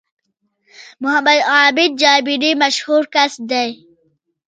محمد عابد جابري مشهور کس دی